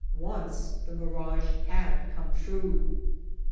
Once the mirage had come true.